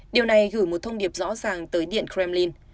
điều này gửi một thông điệp rõ ràng tới điện kremlin